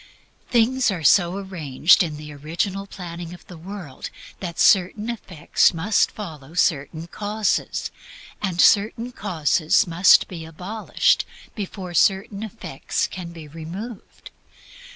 Things are so arranged in the original planning of the world that certain effects must follow certain causes, and certain causes must be abolished before certain effects can be removed.